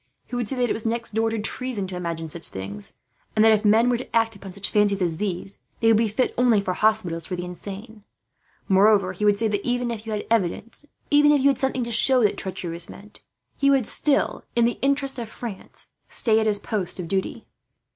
He would say that it was next door to treason to imagine such things, and that if men were to act upon such fancies as these, they would be fit only for hospitals for the insane. Moreover he would say that, even if you had evidence, even if you had something to show that treachery was meant, he would still, in the interest of France, stay at his post of duty."